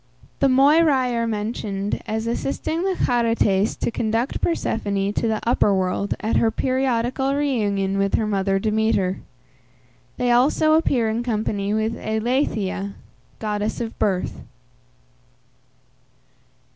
The Moiræ are mentioned as assisting the Charites to conduct Persephone to the upper world at her periodical reunion with her mother Demeter. They also appear in company with Eileithyia, goddess of birth.